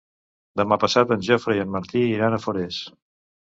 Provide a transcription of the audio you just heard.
Demà passat en Jofre i en Martí iran a Forès.